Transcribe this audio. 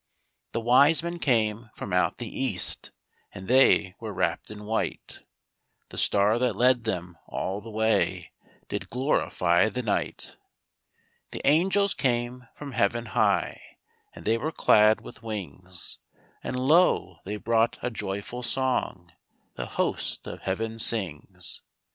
The wise men came from out the east, And they were wrapped in white; The star that led them all the way Did glorify the night. The angels came from heaven high, And they were clad with wings; And lo, they brought a joyful song The host of heaven sings.